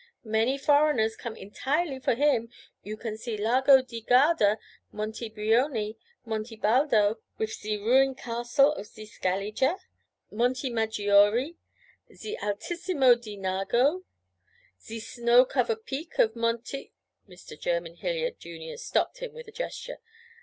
Many foreigners come entirely for him. You can see Lago di Garda, Monte Brione, Monte Baldo wif ze ruin castle of ze Scaliger, Monte Maggiore, ze Altissimo di Nago, ze snow cover peak of Monte ' Mr. Jerymn Hilliard, Jr., stopped him with a gesture.